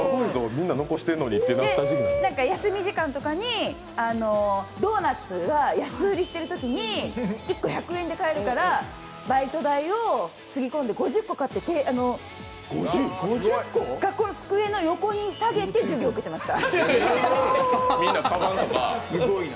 休み時間とかにドーナツが安売りしてるときに１個１００円で買えるからバイト代をつぎ込んで５０個買って学校の机の横に下げて授業を受けてました。